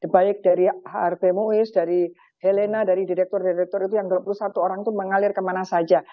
baik dari rb muiz dari helena dari direktur direktur itu yang dua puluh satu orang itu mengalir kemana saja